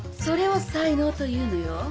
それを才能というのよ。